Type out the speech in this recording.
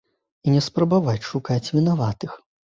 І не спрабаваць шукаць вінаватых.